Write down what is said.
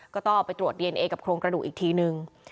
ก็ต้องเอาไปตรวจดีเอนเอกับโครงกระดูกอีกทีนึง